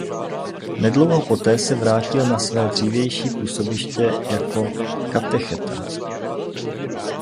Nedlouho poté se vrátil na své dřívější působiště jako katecheta.